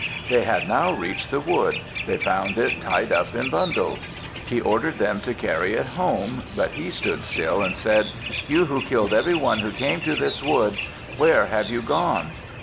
They had now reached the wood. They found it tied up in bundles. He ordered them to carry it home, but he stood still and said, "You who killed every one who came to this wood, where have you gone?"